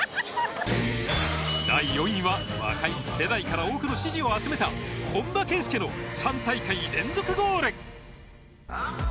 第４位は若い世代から多くの支持を集めた本田圭佑の３大会連続ゴール。